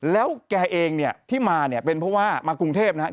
แล้วแกเองที่มาเป็นเพราะว่ามากรุงเทพฯนะครับ